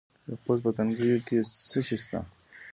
د خوست په تڼیو کې څه شی شته؟